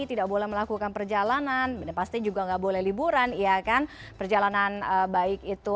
tidak boleh melakukan perjalanan pasti juga tidak boleh liburan perjalanan baik itu